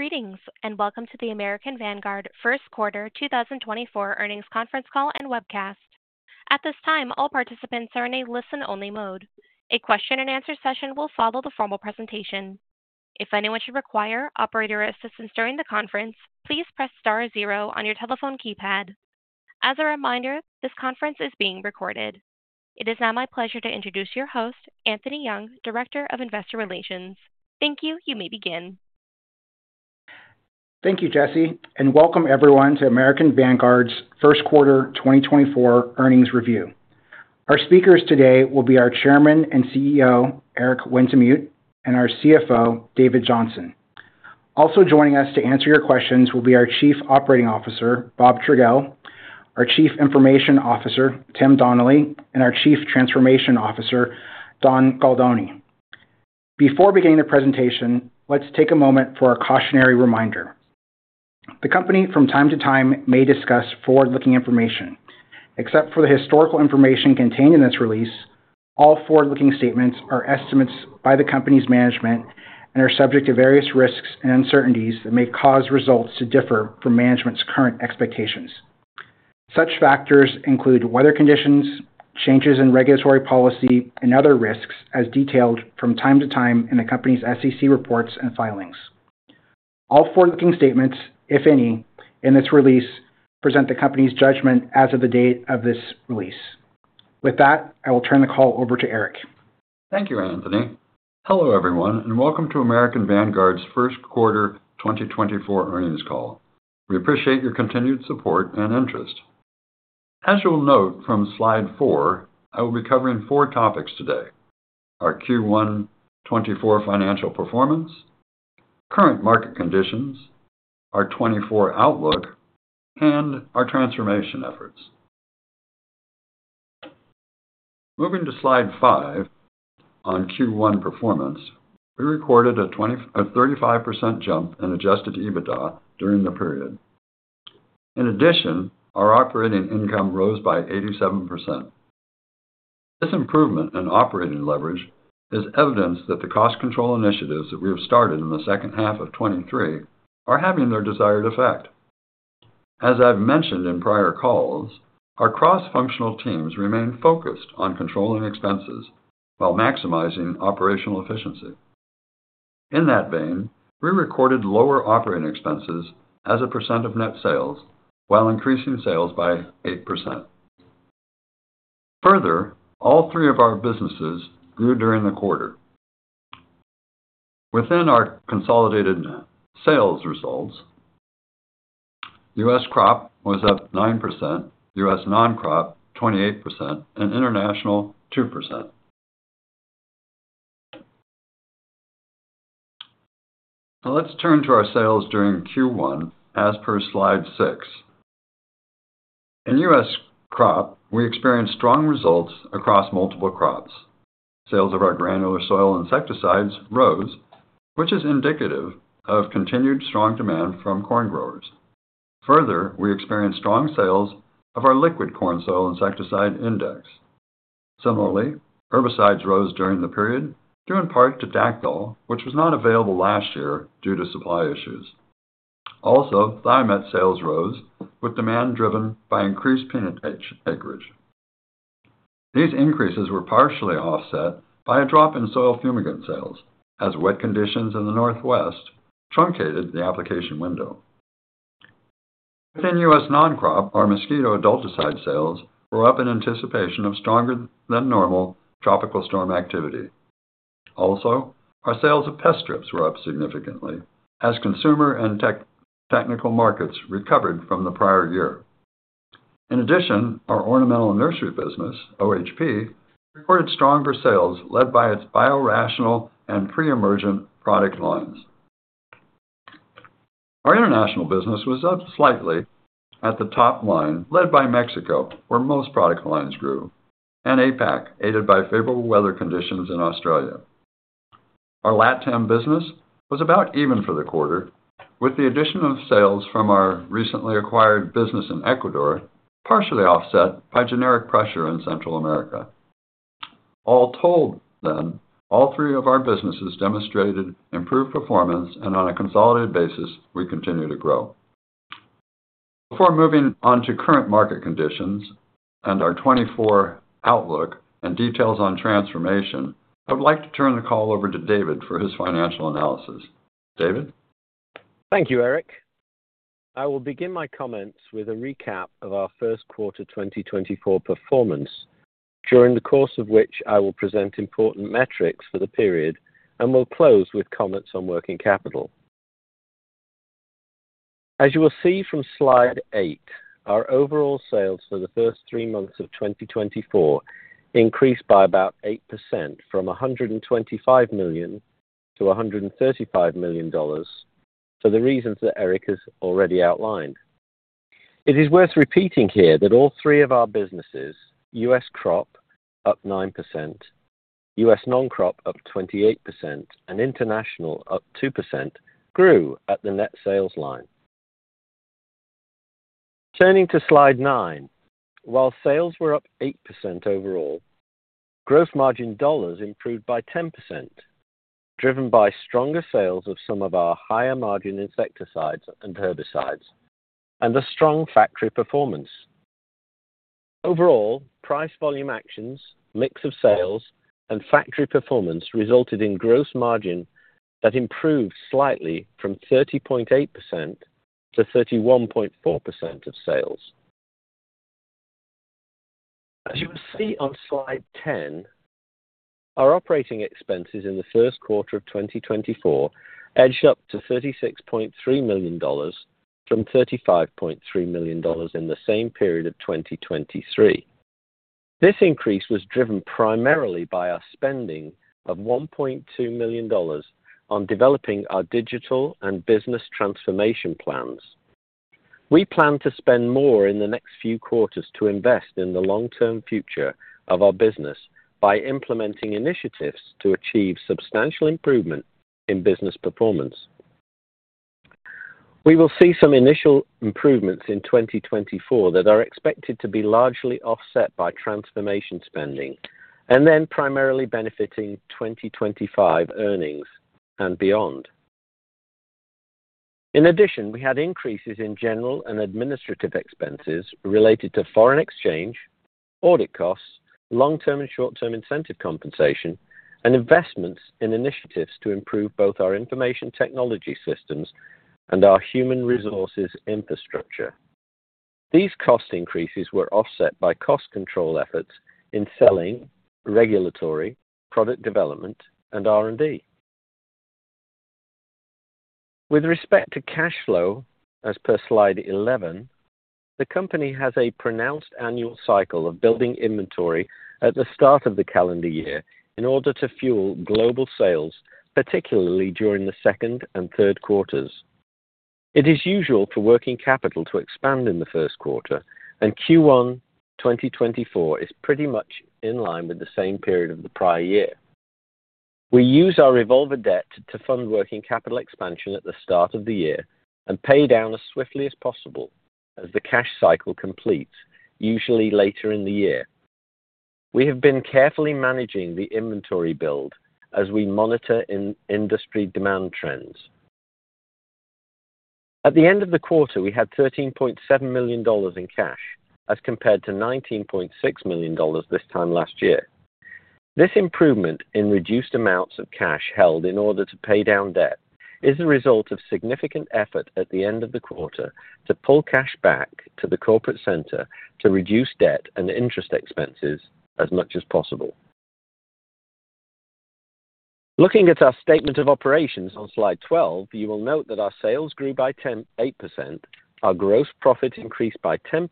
Greetings, and welcome to the American Vanguard First Quarter 2024 Earnings Conference Call and Webcast. At this time, all participants are in a listen-only mode. A question and answer session will follow the formal presentation. If anyone should require operator assistance during the conference, please press star zero on your telephone keypad. As a reminder, this conference is being recorded. It is now my pleasure to introduce your host, Anthony Young, Director of Investor Relations. Thank you. You may begin. Thank you, Jesse, and welcome everyone to American Vanguard's first quarter 2024 earnings review. Our speakers today will be our Chairman and CEO, Eric Wintemute, and our CFO, David Johnson. Also joining us to answer your questions will be our Chief Operating Officer, Bob Trogele, our Chief Information Officer, Tim Donnelly, and our Chief Transformation Officer, Don Galdoni. Before beginning the presentation, let's take a moment for a cautionary reminder. The company, from time to time, may discuss forward-looking information. Except for the historical information contained in this release, all forward-looking statements are estimates by the company's management and are subject to various risks and uncertainties that may cause results to differ from management's current expectations. Such factors include weather conditions, changes in regulatory policy, and other risks as detailed from time to time in the company's SEC reports and filings. All forward-looking statements, if any, in this release, present the company's judgment as of the date of this release. With that, I will turn the call over to Eric. Thank you, Anthony. Hello, everyone, and welcome to American Vanguard's first quarter 2024 earnings call. We appreciate your continued support and interest. As you'll note from slide 4, I will be covering 4 topics today: our Q1 2024 financial performance, current market conditions, our 2024 outlook, and our transformation efforts. Moving to slide 5, on Q1 performance, we recorded a 35% jump in Adjusted EBITDA during the period. In addition, our operating income rose by 87%. This improvement in operating leverage is evidence that the cost control initiatives that we have started in the second half of 2023 are having their desired effect. As I've mentioned in prior calls, our cross-functional teams remain focused on controlling expenses while maximizing operational efficiency. In that vein, we recorded lower operating expenses as a percent of net sales while increasing sales by 8%. Further, all three of our businesses grew during the quarter. Within our consolidated net sales results, U.S. crop was up 9%, U.S. non-crop, 28%, and international, 2%. Now let's turn to our sales during Q1 as per slide 6. In U.S. crop, we experienced strong results across multiple crops. Sales of our granular soil insecticides rose, which is indicative of continued strong demand from corn growers. Further, we experienced strong sales of our liquid corn soil insecticide Index. Similarly, herbicides rose during the period, due in part to Dacthal, which was not available last year due to supply issues. Also, Thimet sales rose, with demand driven by increased peanut acreage. These increases were partially offset by a drop in soil fumigant sales, as wet conditions in the Northwest truncated the application window. Within U.S. non-crop, our mosquito adulticide sales were up in anticipation of stronger than normal tropical storm activity. Also, our sales of pest strips were up significantly as consumer and technical markets recovered from the prior year. In addition, our ornamental and nursery business, OHP, recorded stronger sales, led by its biorational and pre-emergence product lines. Our international business was up slightly at the top line, led by Mexico, where most product lines grew, and APAC, aided by favorable weather conditions in Australia. Our LatAm business was about even for the quarter, with the addition of sales from our recently acquired business in Ecuador, partially offset by generic pressure in Central America. All told then, all three of our businesses demonstrated improved performance, and on a consolidated basis, we continue to grow. Before moving on to current market conditions and our 2024 outlook and details on transformation, I would like to turn the call over to David for his financial analysis. David? Thank you, Eric. I will begin my comments with a recap of our first quarter 2024 performance, during the course of which I will present important metrics for the period and will close with comments on working capital. As you will see from slide 8, our overall sales for the first three months of 2024 increased by about 8% from $125 million to $135 million for the reasons that Eric has already outlined. It is worth repeating here that all three of our businesses, U.S. crop up 9%, U.S. non-crop up 28%, and international up 2%, grew at the net sales line. Turning to slide 9. While sales were up 8% overall, gross margin dollars improved by 10%, driven by stronger sales of some of our higher margin insecticides and herbicides, and the strong factory performance. Overall, price volume actions, mix of sales, and factory performance resulted in gross margin that improved slightly from 30.8% to 31.4% of sales. As you will see on slide 10, our operating expenses in the first quarter of 2024 edged up to $36.3 million from $35.3 million in the same period of 2023. This increase was driven primarily by our spending of $1.2 million on developing our digital and business transformation plans. We plan to spend more in the next few quarters to invest in the long-term future of our business by implementing initiatives to achieve substantial improvement in business performance. We will see some initial improvements in 2024 that are expected to be largely offset by transformation spending, and then primarily benefiting 2025 earnings and beyond. In addition, we had increases in general and administrative expenses related to foreign exchange, audit costs, long-term and short-term incentive compensation, and investments in initiatives to improve both our information technology systems and our human resources infrastructure. These cost increases were offset by cost control efforts in selling, regulatory, product development, and R&D. With respect to cash flow, as per slide 11, the company has a pronounced annual cycle of building inventory at the start of the calendar year in order to fuel global sales, particularly during the second and third quarters. It is usual for working capital to expand in the first quarter, and Q1 2024 is pretty much in line with the same period of the prior year. We use our revolver debt to fund working capital expansion at the start of the year and pay down as swiftly as possible as the cash cycle completes, usually later in the year. We have been carefully managing the inventory build as we monitor in-industry demand trends. At the end of the quarter, we had $13.7 million in cash, as compared to $19.6 million this time last year. This improvement in reduced amounts of cash held in order to pay down debt is a result of significant effort at the end of the quarter to pull cash back to the corporate center to reduce debt and interest expenses as much as possible. Looking at our statement of operations on slide 12, you will note that our sales grew by 8%, our gross profit increased by 10%,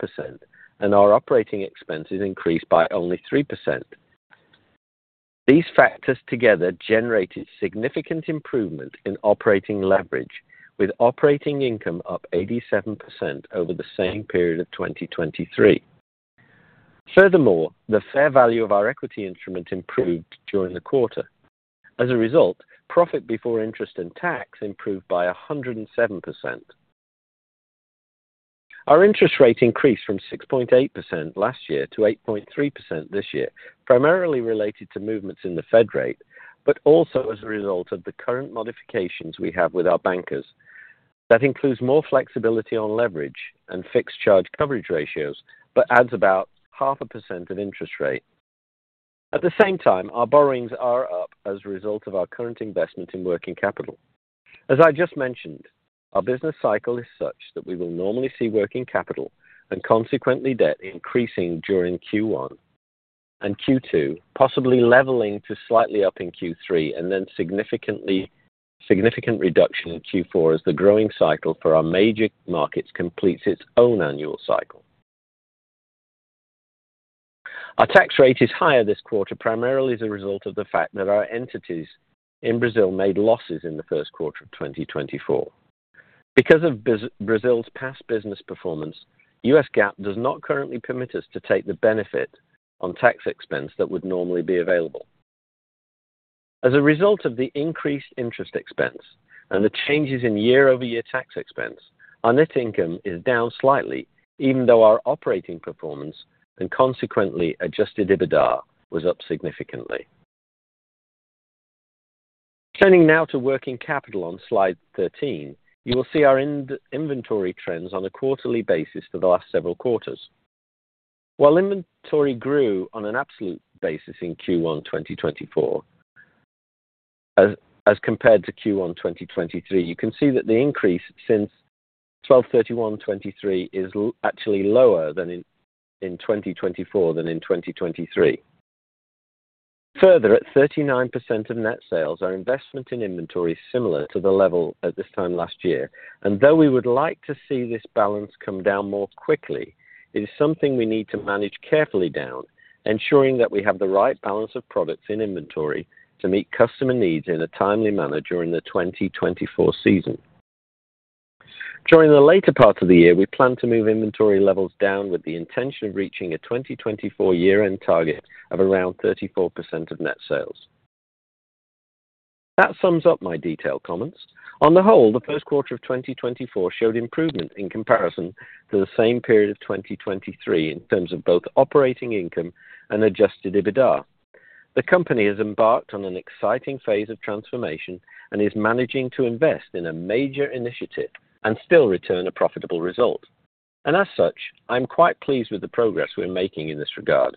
and our operating expenses increased by only 3%. These factors together generated significant improvement in operating leverage, with operating income up 87% over the same period of 2023. Furthermore, the fair value of our equity instrument improved during the quarter. As a result, profit before interest and tax improved by 107%. Our interest rate increased from 6.8% last year to 8.3% this year, primarily related to movements in the Fed rate, but also as a result of the current modifications we have with our bankers. That includes more flexibility on leverage and fixed charge coverage ratios, but adds about 0.5% of interest rate. At the same time, our borrowings are up as a result of our current investment in working capital. As I just mentioned, our business cycle is such that we will normally see working capital and consequently debt increasing during Q1 and Q2, possibly leveling to slightly up in Q3, and then significant reduction in Q4 as the growing cycle for our major markets completes its own annual cycle. Our tax rate is higher this quarter, primarily as a result of the fact that our entities in Brazil made losses in the first quarter of 2024. Because of Brazil's past business performance, U.S. GAAP does not currently permit us to take the benefit on tax expense that would normally be available. As a result of the increased interest expense and the changes in year-over-year tax expense, our net income is down slightly, even though our operating performance and consequently adjusted EBITDA was up significantly. Turning now to working capital on slide 13, you will see our inventory trends on a quarterly basis for the last several quarters. While inventory grew on an absolute basis in Q1 2024, as compared to Q1 2023, you can see that the increase since 12/31/2023 is actually lower than in 2024 than in 2023. Further, at 39% of net sales, our investment in inventory is similar to the level at this time last year, and though we would like to see this balance come down more quickly, it is something we need to manage carefully down, ensuring that we have the right balance of products in inventory to meet customer needs in a timely manner during the 2024 season. During the later part of the year, we plan to move inventory levels down with the intention of reaching a 2024 year-end target of around 34% of net sales... That sums up my detailed comments. On the whole, the first quarter of 2024 showed improvement in comparison to the same period of 2023, in terms of both operating income and Adjusted EBITDA. The company has embarked on an exciting phase of transformation and is managing to invest in a major initiative and still return a profitable result. And as such, I'm quite pleased with the progress we're making in this regard.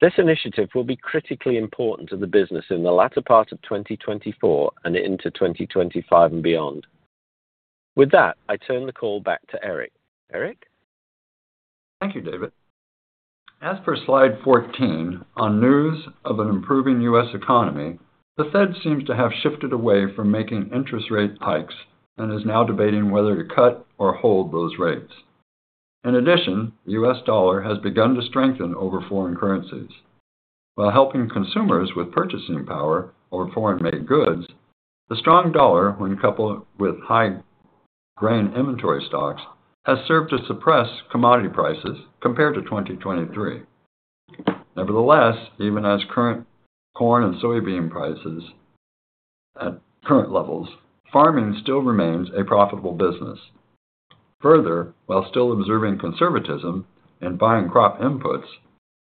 This initiative will be critically important to the business in the latter part of 2024 and into 2025 and beyond. With that, I turn the call back to Eric. Eric? Thank you, David. As per slide 14, on news of an improving U.S. economy, the Fed seems to have shifted away from making interest rate hikes and is now debating whether to cut or hold those rates. In addition, the U.S. dollar has begun to strengthen over foreign currencies. While helping consumers with purchasing power over foreign-made goods, the strong dollar, when coupled with high grain inventory stocks, has served to suppress commodity prices compared to 2023. Nevertheless, even as current corn and soybean prices at current levels, farming still remains a profitable business. Further, while still observing conservatism in buying crop inputs,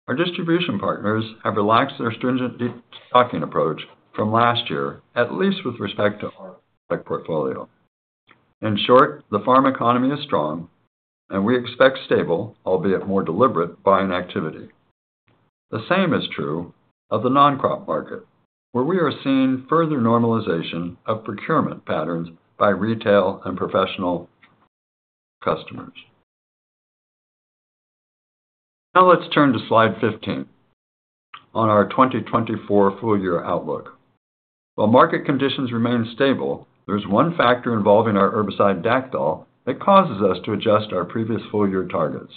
our distribution partners have relaxed their stringent de-stocking approach from last year, at least with respect to our portfolio. In short, the farm economy is strong, and we expect stable, albeit more deliberate, buying activity. The same is true of the non-crop market, where we are seeing further normalization of procurement patterns by retail and professional customers. Now let's turn to slide 15 on our 2024 full-year outlook. While market conditions remain stable, there's one factor involving our herbicide, Dacthal, that causes us to adjust our previous full-year targets.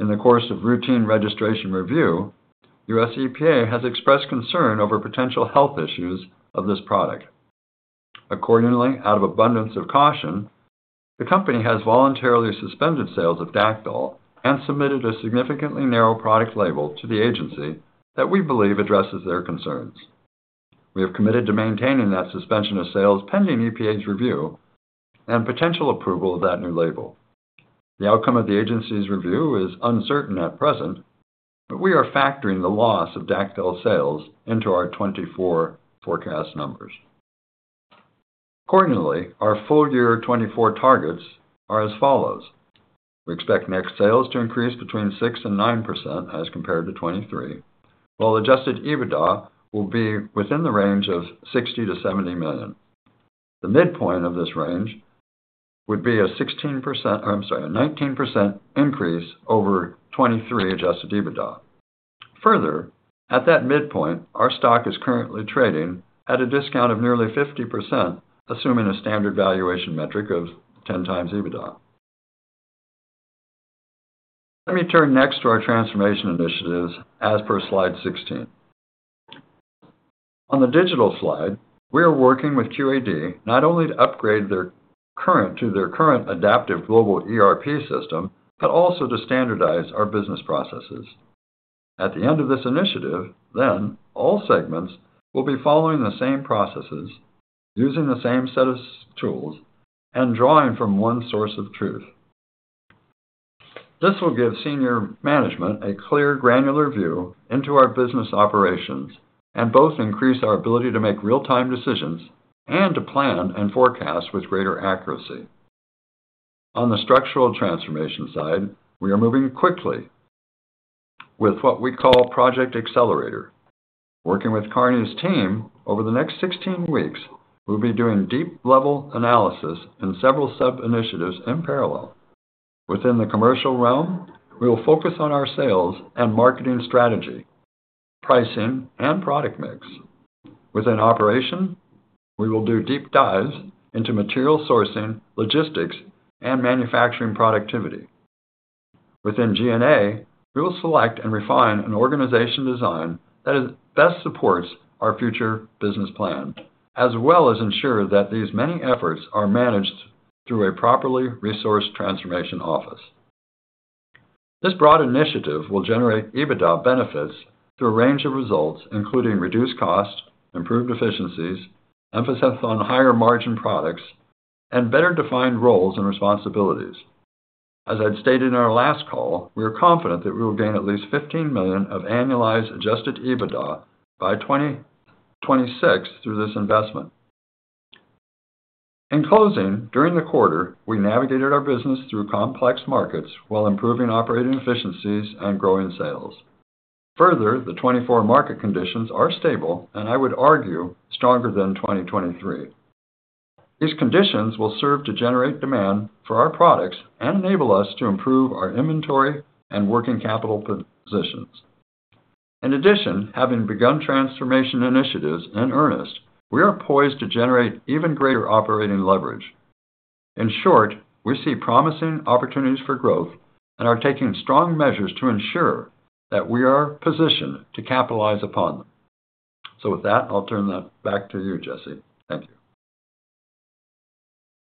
In the course of routine registration review, U.S. EPA has expressed concern over potential health issues of this product. Accordingly, out of abundance of caution, the company has voluntarily suspended sales of Dacthal and submitted a significantly narrow product label to the agency that we believe addresses their concerns. We have committed to maintaining that suspension of sales pending EPA's review and potential approval of that new label. The outcome of the agency's review is uncertain at present, but we are factoring the loss of Dacthal sales into our 2024 forecast numbers. Accordingly, our full year 2024 targets are as follows: We expect net sales to increase between 6%-9% as compared to 2023, while Adjusted EBITDA will be within the range of $60 million-$70 million. The midpoint of this range would be a 16%, I'm sorry, a 19% increase over 2023 Adjusted EBITDA. Further, at that midpoint, our stock is currently trading at a discount of nearly 50%, assuming a standard valuation metric of 10x EBITDA. Let me turn next to our transformation initiatives as per slide 16. On the digital slide, we are working with QAD not only to upgrade to their current adaptive global ERP system, but also to standardize our business processes. At the end of this initiative, then all segments will be following the same processes, using the same set of tools, and drawing from one source of truth. This will give senior management a clear, granular view into our business operations and both increase our ability to make real-time decisions and to plan and forecast with greater accuracy. On the structural transformation side, we are moving quickly with what we call Project Accelerator. Working with Kearney's team, over the next 16 weeks, we'll be doing deep-level analysis in several sub-initiatives in parallel. Within the commercial realm, we will focus on our sales and marketing strategy, pricing, and product mix. Within operation, we will do deep dives into material sourcing, logistics, and manufacturing productivity. Within G&A, we will select and refine an organization design that best supports our future business plan, as well as ensure that these many efforts are managed through a properly resourced transformation office. This broad initiative will generate EBITDA benefits through a range of results, including reduced costs, improved efficiencies, emphasis on higher-margin products, and better-defined roles and responsibilities. As I'd stated in our last call, we are confident that we will gain at least $15 million of annualized adjusted EBITDA by 2026 through this investment. In closing, during the quarter, we navigated our business through complex markets while improving operating efficiencies and growing sales. Further, the 2024 market conditions are stable and I would argue, stronger than 2023. These conditions will serve to generate demand for our products and enable us to improve our inventory and working capital positions. In addition, having begun transformation initiatives in earnest, we are poised to generate even greater operating leverage. In short, we see promising opportunities for growth and are taking strong measures to ensure that we are positioned to capitalize upon them. So with that, I'll turn that back to you, Jesse. Thank you. ...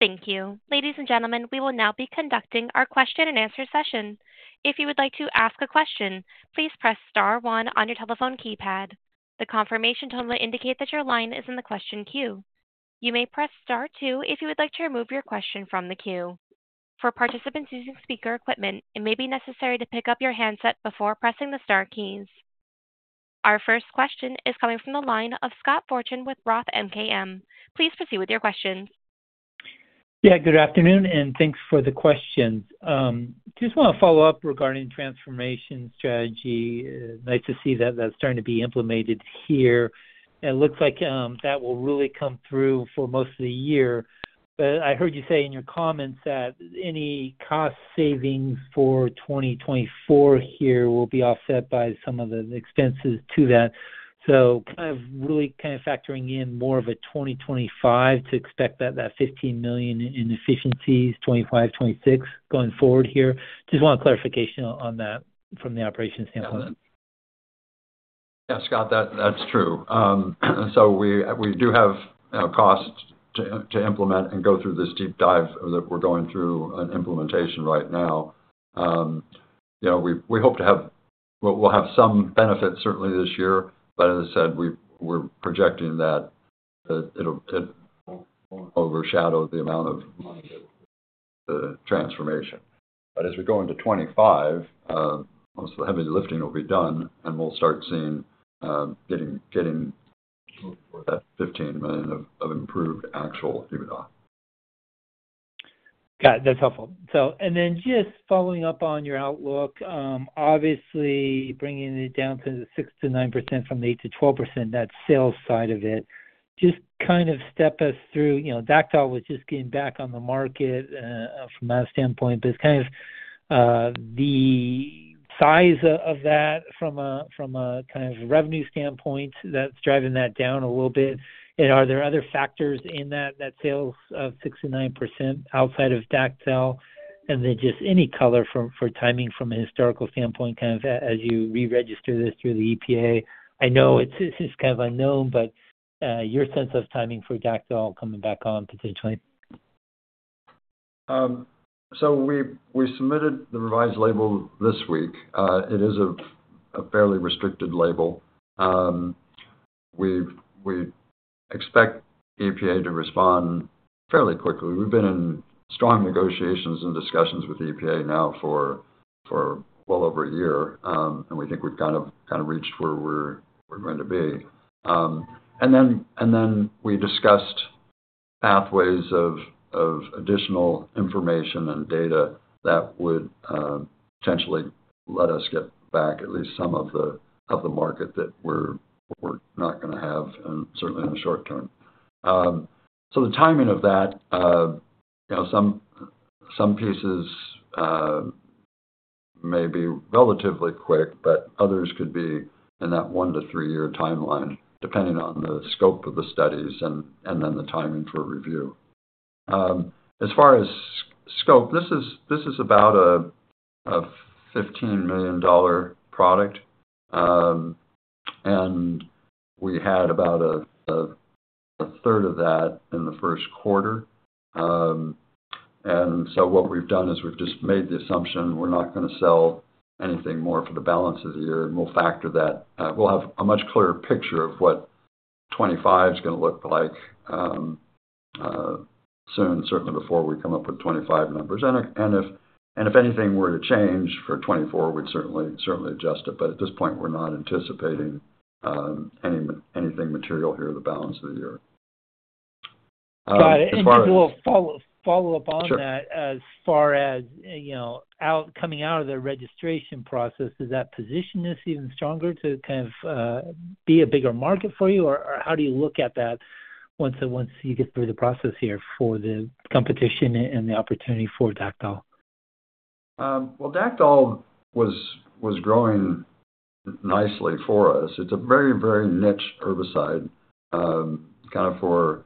Thank you. Ladies and gentlemen, we will now be conducting our question and answer session. If you would like to ask a question, please press star one on your telephone keypad. The confirmation tone will indicate that your line is in the question queue. You may press star two if you would like to remove your question from the queue. For participants using speaker equipment, it may be necessary to pick up your handset before pressing the star keys. Our first question is coming from the line of Scott Fortune with Roth MKM. Please proceed with your questions. Yeah, good afternoon, and thanks for the questions. Just want to follow up regarding transformation strategy. Nice to see that that's starting to be implemented here. It looks like that will really come through for most of the year. But I heard you say in your comments that any cost savings for 2024 here will be offset by some of the expenses to that. So kind of, really kind of factoring in more of a 2025 to expect that fifteen million in efficiencies, 25, 26 going forward here. Just want clarification on that from the operations standpoint. Yeah, Scott, that's true. So we do have costs to implement and go through this deep dive that we're going through on implementation right now. You know, we hope to have... We'll have some benefit certainly this year, but as I said, we're projecting that it'll overshadow the amount of money, the transformation. But as we go into 2025, most of the heavy lifting will be done, and we'll start seeing getting that $15 million of improved actual EBITDA. Got it. That's helpful. So, and then just following up on your outlook, obviously bringing it down to the 6%-9% from the 8%-12%, that sales side of it. Just kind of step us through, you know, Dacthal was just getting back on the market, from that standpoint, but kind of, the size of that from a, from a kind of revenue standpoint, that's driving that down a little bit. And are there other factors in that, that sales of 6%-9% outside of Dacthal? And then just any color for, for timing from a historical standpoint, kind of as you reregister this through the EPA. I know it's, this is kind of unknown, but, your sense of timing for Dacthal coming back on potentially. So we submitted the revised label this week. It is a fairly restricted label. We expect the EPA to respond fairly quickly. We've been in strong negotiations and discussions with the EPA now for well over a year, and we think we've kind of reached where we're going to be. And then we discussed pathways of additional information and data that would potentially let us get back at least some of the market that we're not gonna have, certainly in the short term. So the timing of that, you know, some pieces may be relatively quick, but others could be in that 1-3-year timeline, depending on the scope of the studies and then the timing for review. As far as scope, this is about a $15 million product. And we had about a third of that in the first quarter. And so what we've done is we've just made the assumption we're not gonna sell anything more for the balance of the year, and we'll factor that. We'll have a much clearer picture of what 2025 is gonna look like, soon, certainly before we come up with 2025 numbers. And if anything were to change for 2024, we'd certainly adjust it. But at this point, we're not anticipating anything material here in the balance of the year. Got it. As far as- Just a little follow-up on that. Sure. As far as, you know, coming out of the registration process, does that position is even stronger to kind of be a bigger market for you? Or how do you look at that once you get through the process here for the competition and the opportunity for Dacthal? Well, Dacthal was growing nicely for us. It's a very, very niche herbicide, kind of for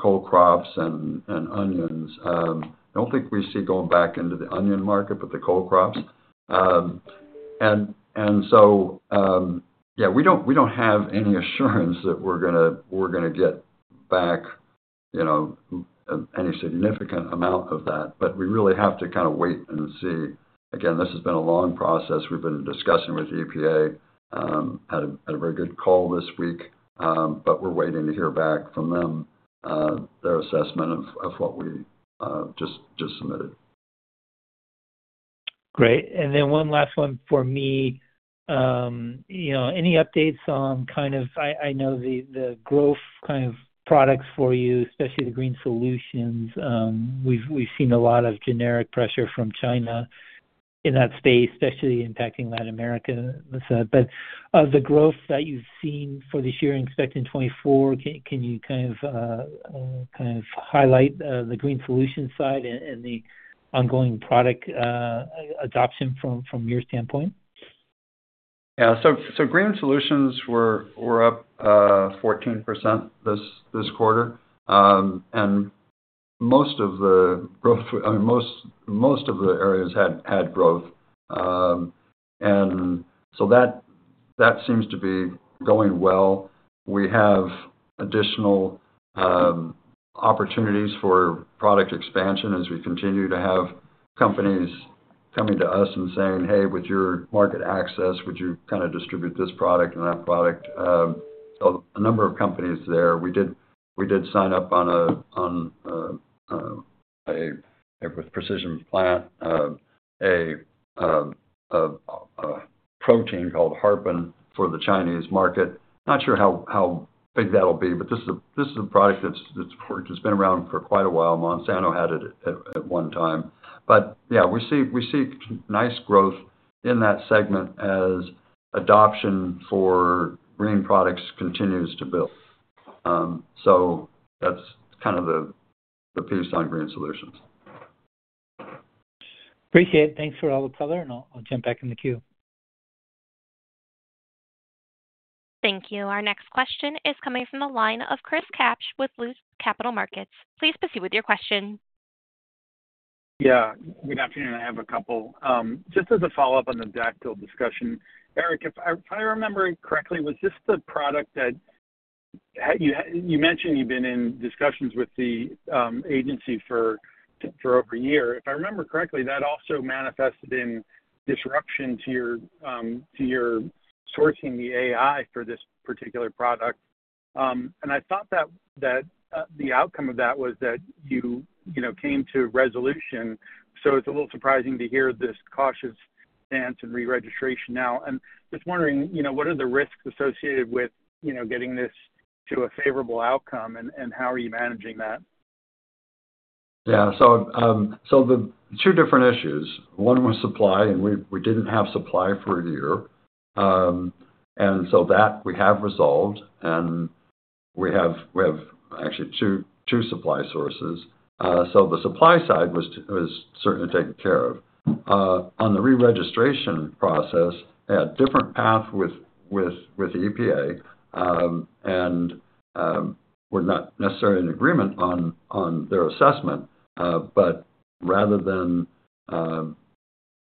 cole crops and onions. I don't think we see going back into the onion market, but the cole crops. And so, we don't have any assurance that we're gonna get back, you know, any significant amount of that, but we really have to kind of wait and see. Again, this has been a long process we've been in discussion with the EPA, had a very good call this week, but we're waiting to hear back from them, their assessment of what we just submitted. Great. And then one last one for me. You know, any updates on kind of... I know the growth kind of products for you, especially the Green Solutions. We've seen a lot of generic pressure from China in that space, especially impacting Latin America. But the growth that you've seen for this year, expecting 2024, can you kind of kind of highlight the Green Solutions side and the ongoing product adoption from your standpoint? Yeah. So Green Solutions were up fourteen percent this quarter. And most of the growth, I mean, most of the areas had growth. And so that seems to be going well. We have additional opportunities for product expansion as we continue to have companies coming to us and saying, "Hey, with your market access, would you kind of distribute this product and that product?" A number of companies there. We did sign up on a, with Precision Plant, a protein called Harpin for the Chinese market. Not sure how big that'll be, but this is a product that's been around for quite a while. Monsanto had it at one time. But yeah, we see nice growth in that segment as adoption for green products continues to build. So that's kind of the piece on green solutions. Appreciate it. Thanks for all the color, and I'll, I'll jump back in the queue. Thank you. Our next question is coming from the line of Chris Kapsch with Loop Capital Markets. Please proceed with your question. Yeah, good afternoon. I have a couple. Just as a follow-up on the Dacthal discussion, Eric, if I remember correctly, was this the product that you had you mentioned you've been in discussions with the agency for over a year. If I remember correctly, that also manifested in disruption to your to your sourcing the AI for this particular product. And I thought that the outcome of that was that you, you know, came to a resolution, so it's a little surprising to hear this cautious stance and reregistration now. I'm just wondering, you know, what are the risks associated with, you know, getting this to a favorable outcome, and how are you managing that? Yeah. So, the two different issues. One was supply, and we didn't have supply for a year. And so that we have resolved, and we have actually two supply sources. So the supply side was certainly taken care of. On the reregistration process, had different path with the EPA, and we're not necessarily in agreement on their assessment. But rather than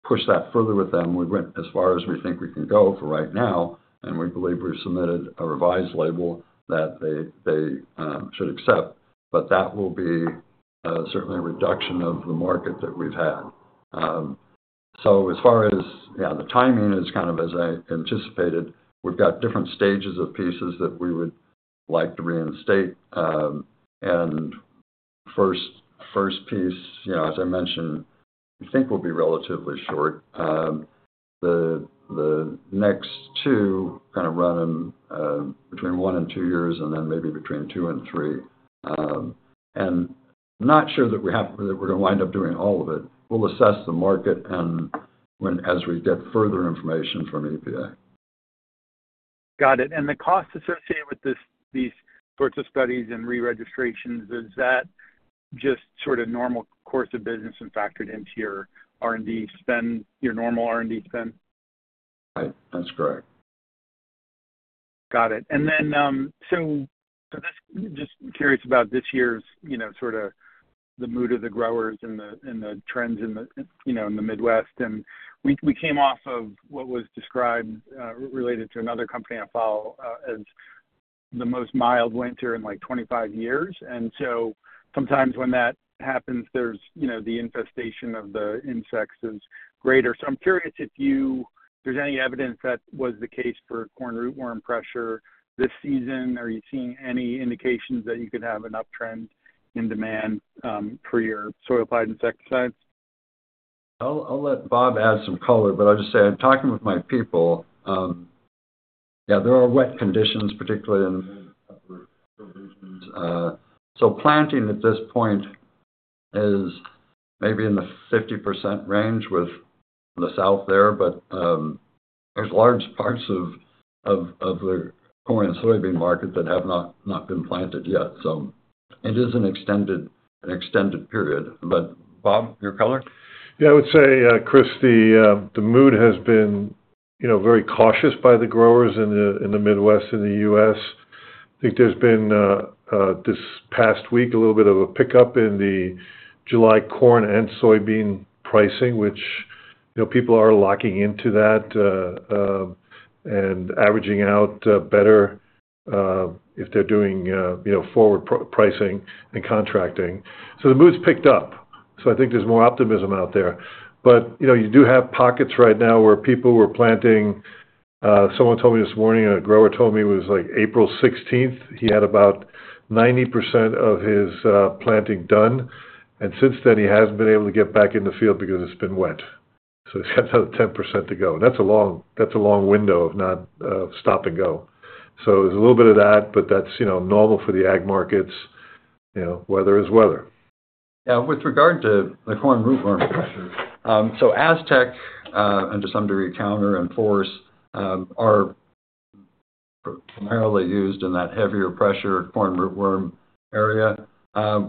push that further with them, we went as far as we think we can go for right now, and we believe we've submitted a revised label that they should accept. But that will be certainly a reduction of the market that we've had. So as far as, yeah, the timing is kind of, as I anticipated, we've got different stages of pieces that we would like to reinstate. And first piece, you know, as I mentioned, we think will be relatively short. The next two kind of run between one and two years, and then maybe between two and three. And not sure that we're gonna wind up doing all of it. We'll assess the market and, as we get further information from EPA. Got it. And the cost associated with this, these sorts of studies and reregistrations, is that just sort of normal course of business and factored into your R&D spend, your normal R&D spend? Right. That's correct. Got it. And then, just curious about this year's, you know, sort of the mood of the growers and the trends in the, you know, in the Midwest. And we came off of what was described related to another company I follow as the most mild winter in, like, 25 years. And so sometimes when that happens, there's, you know, the infestation of the insects is greater. So I'm curious if you-- there's any evidence that was the case for corn rootworm pressure this season? Are you seeing any indications that you could have an uptrend in demand for your soil applied insecticides? I'll let Bob add some color, but I'll just say I'm talking with my people. Yeah, there are wet conditions, particularly in upper regions. So planting at this point is maybe in the 50% range with the South there, but there's large parts of the corn and soybean market that have not been planted yet. So it is an extended period. But Bob, your color? Yeah, I would say, Chris, the mood has been, you know, very cautious by the growers in the Midwest and the U.S. I think there's been this past week a little bit of a pickup in the July corn and soybean pricing, which, you know, people are locking into that and averaging out better if they're doing, you know, forward pricing and contracting. So the mood's picked up, so I think there's more optimism out there. But, you know, you do have pockets right now where people were planting. Someone told me this morning, a grower told me it was, like, April sixteenth, he had about 90% of his planting done, and since then, he hasn't been able to get back in the field because it's been wet. So he's got another 10% to go. That's a long, that's a long window of not stop and go. So there's a little bit of that, but that's, you know, normal for the ag markets. You know, weather is weather. Yeah. With regard to the corn rootworm pressure, so Aztec, and to some degree, Counter and Force, are primarily used in that heavier pressure corn rootworm area.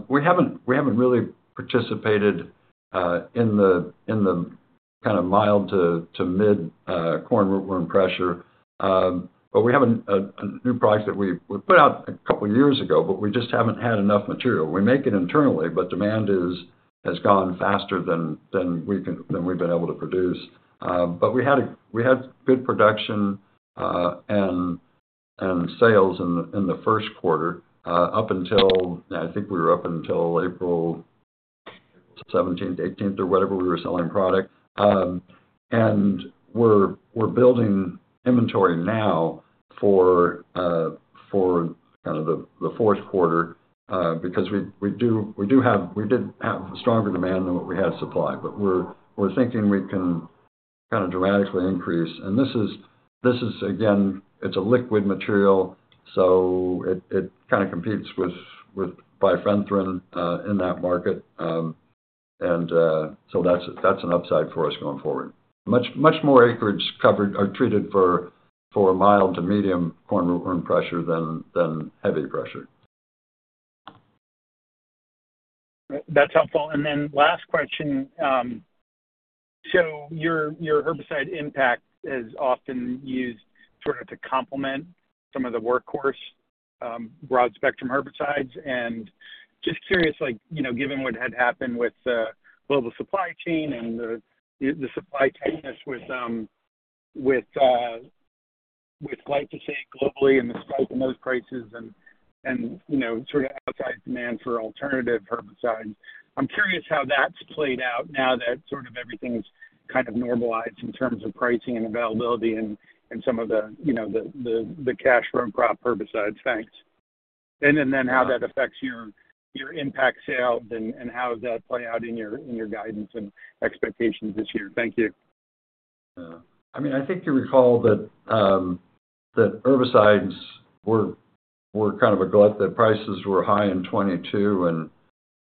We haven't really participated in the kind of mild to mid corn rootworm pressure. But we have a new product that we put out a couple of years ago, but we just haven't had enough material. We make it internally, but demand has gone faster than we can, than we've been able to produce. But we had good production and sales in the first quarter, up until, I think we were up until April seventeenth, eighteenth, or whatever, we were selling product. And we're building inventory now for kind of the fourth quarter, because we do—we did have stronger demand than what we had supply, but we're thinking we can kind of dramatically increase. And this is again, it's a liquid material, so it kind of competes with bifenthrin in that market. And so that's an upside for us going forward. Much more acreage covered or treated for mild to medium Corn rootworm pressure than heavy pressure. That's helpful. And then last question. So your, your herbicide Impact is often used sort of to complement some of the workhorse, broad-spectrum herbicides, and just curious, like, you know, given what had happened with the global supply chain and the, the supply tightness with, with glyphosate globally and the spike in those prices and, and, you know, sort of outsized demand for alternative herbicides. I'm curious how that's played out now that sort of everything's kind of normalized in terms of pricing and availability and, and some of the, you know, the, the, the row crop herbicides. Thanks. And then, then how that affects your, your Impact sales and, and how does that play out in your, in your guidance and expectations this year? Thank you. Yeah. I mean, I think you recall that herbicides were kind of a glut, that prices were high in 2022 and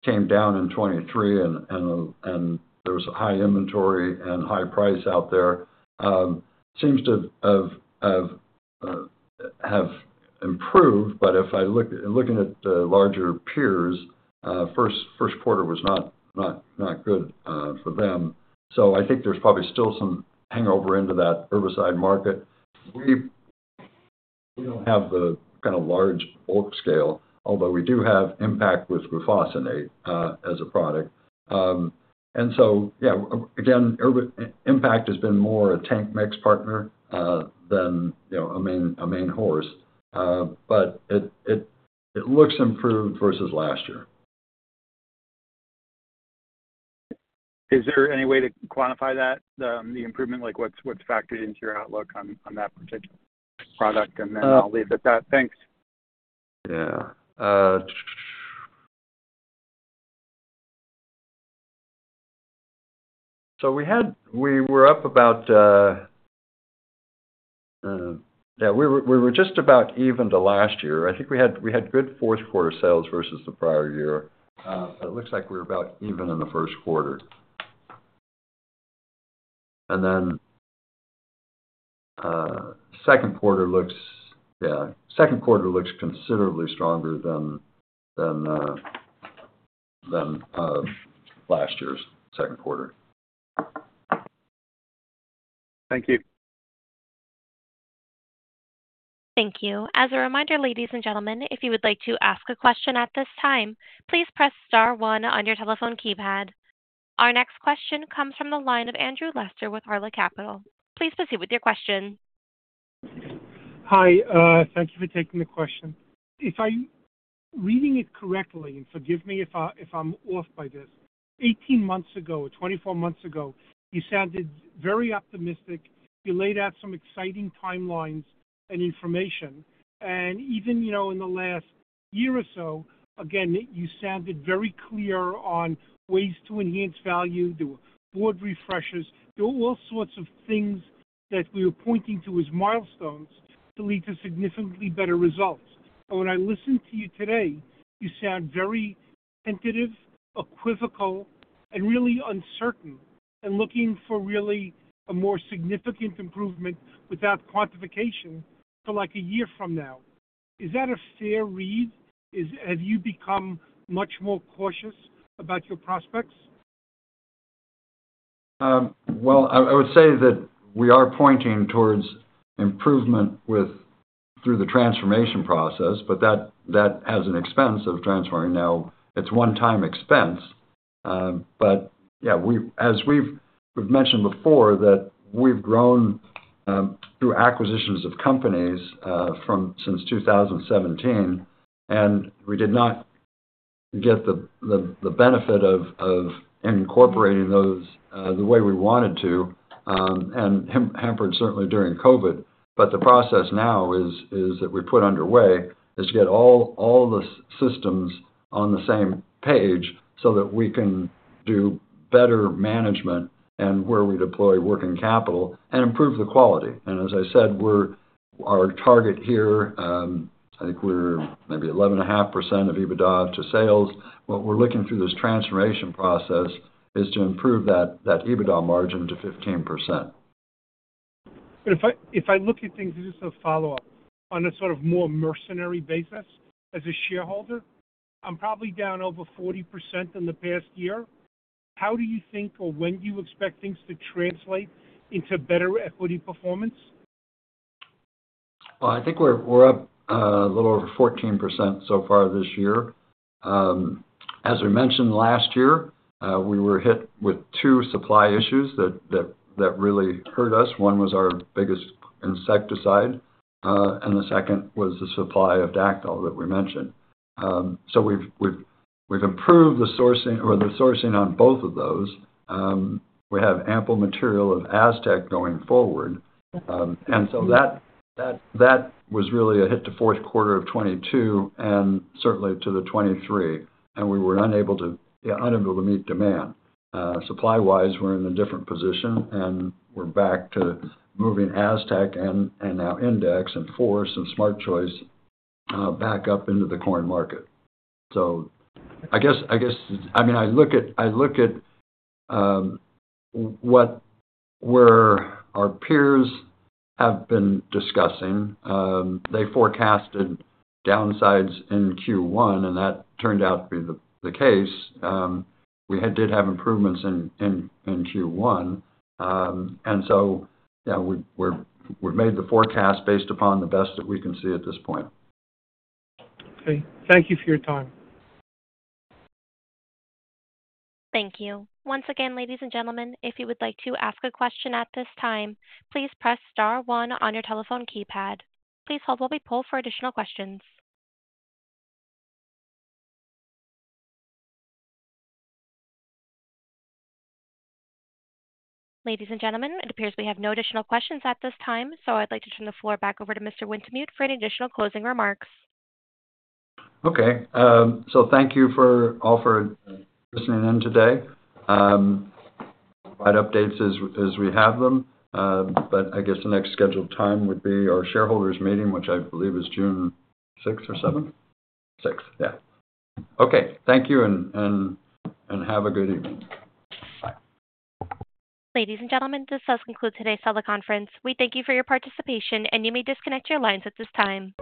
came down in 2023 and there was high inventory and high price out there. Seems to have improved, but if I look looking at the larger peers, first quarter was not good for them. So I think there's probably still some hangover into that herbicide market. We don't have the kind of large bulk scale, although we do have Impact with glufosinate as a product. And so, yeah, again, Impact has been more a tank mix partner than, you know, a main horse. But it looks improved versus last year. Is there any way to quantify that, the improvement? Like, what's factored into your outlook on that particular product? And then I'll leave it at that. Thanks. Yeah, we were just about even to last year. I think we had good fourth quarter sales versus the prior year. It looks like we're about even in the first quarter. And then, second quarter looks considerably stronger than last year's second quarter. Thank you. Thank you. As a reminder, ladies and gentlemen, if you would like to ask a question at this time, please press star one on your telephone keypad. Our next question comes from the line of Andrew Lester with Arla Capital. Please proceed with your question. Hi, thank you for taking the question. If I'm reading it correctly, and forgive me if I if I'm off by this, 18 months ago, or 24 months ago, you sounded very optimistic. You laid out some exciting timelines and information, and even, you know, in the last year or so, again, you sounded very clear on ways to enhance value, do board refreshes. There were all sorts of things that we were pointing to as milestones to lead to significantly better results. When I listen to you today, you sound very tentative, equivocal, and really uncertain, and looking for really a more significant improvement without quantification for, like, a year from now. Is that a fair read? Have you become much more cautious about your prospects? Well, I would say that we are pointing towards improvement through the transformation process, but that has an expense of transforming. Now, it's one-time expense, but yeah, as we've mentioned before, that we've grown through acquisitions of companies from since 2017, and we did not get the benefit of incorporating those the way we wanted to, and hampered certainly during COVID. But the process now is that we put underway is to get all the systems on the same page, so that we can do better management and where we deploy working capital and improve the quality. And as I said, our target here, I think we're maybe 11.5% of EBITDA to sales. What we're looking through this transformation process is to improve that EBITDA margin to 15%. But if I look at things, just a follow-up, on a sort of more mercenary basis, as a shareholder, I'm probably down over 40% in the past year. How do you think, or when do you expect things to translate into better equity performance?... Well, I think we're up a little over 14% so far this year. As we mentioned last year, we were hit with two supply issues that really hurt us. One was our biggest insecticide, and the second was the supply of Dacthal that we mentioned. So we've improved the sourcing on both of those. We have ample material of Aztec going forward. And so that was really a hit to fourth quarter of 2022 and certainly to 2023, and we were unable to meet demand. Supply-wise, we're in a different position, and we're back to moving Aztec and now Index and Force and Smart Choice back up into the corn market. So, I guess—I mean, I look at what, where our peers have been discussing. They forecasted downsides in Q1, and that turned out to be the case. We did have improvements in Q1. So, yeah, we've made the forecast based upon the best that we can see at this point. Okay. Thank you for your time. Thank you. Once again, ladies and gentlemen, if you would like to ask a question at this time, please press star one on your telephone keypad. Please hold while we poll for additional questions. Ladies and gentlemen, it appears we have no additional questions at this time, so I'd like to turn the floor back over to Mr. Wintemute for any additional closing remarks. Okay. So thank you all for listening in today. Provide updates as we have them, but I guess the next scheduled time would be our shareholders' meeting, which I believe is June sixth or seventh? Sixth, yeah. Okay. Thank you, and have a good evening. Bye. Ladies and gentlemen, this does conclude today's teleconference. We thank you for your participation, and you may disconnect your lines at this time.